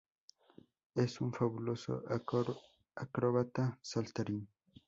Es un fabuloso acróbata saltarín.